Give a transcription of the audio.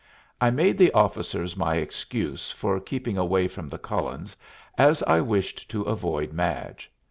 I made the officers my excuse for keeping away from the Cullens, as I wished to avoid Madge.